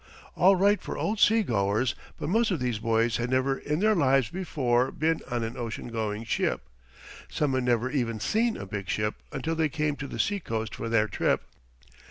All right for old seagoers, but most of these boys had never in their lives before been on an ocean going ship. Some had never even seen a big ship until they came to the seacoast for their trip.